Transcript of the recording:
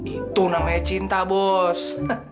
itu namanya cinta bos